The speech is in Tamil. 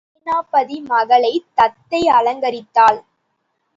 சேனாபதி மகளைத் தத்தை அலங்கரித்தாள்.